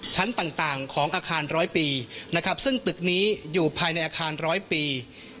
ชั้นต่างของอาคารร้อยปีนะครับซึ่งตึกนี้อยู่ภายในอาคารร้อยปี